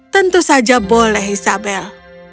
tentu saja boleh isabel